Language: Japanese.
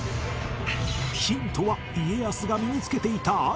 ヒントは家康が身につけていたあるもの